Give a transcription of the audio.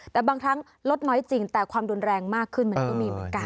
แต่บางครั้งลดน้อยจริงแต่ความรุนแรงมากขึ้นมันก็มีเหมือนกัน